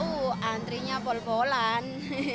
uh antrenya bol bolan